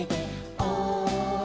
「おい！」